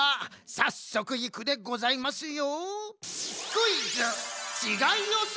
さっそくいくでございますよ。